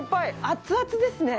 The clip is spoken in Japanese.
熱々ですね。